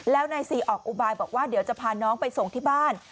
แล้วนายซีออกอุบายบอกว่าเดี๋ยวจะพาน้องไปส่งที่บ้าน